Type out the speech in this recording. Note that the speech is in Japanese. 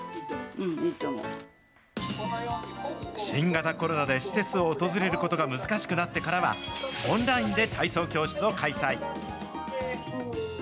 新型コロナで施設を訪れることが難しくなってからは、オンラインで体操教室を開催。